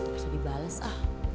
masa dibales ah